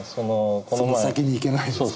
その先に行けないですからね。